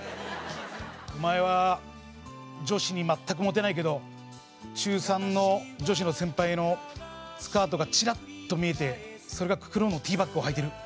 お前は女子に全くモテないけど中３の女子の先輩のスカートがチラッと見えてそれが黒のＴバックをはいてる。